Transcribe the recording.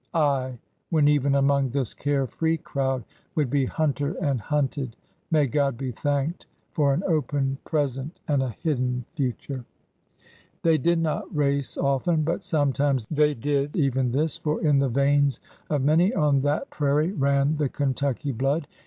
Aye ! when even among this care free crowd would be himter and hunted! May God be thanked for an open present and a hidden future! 144 ORDER NO. 11 They did not race often, but sometimes they did even this, for in the veins of many on that prairie ran the Kentucky blood.